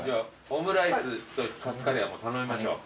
オムライスとカツカレーは頼みましょう。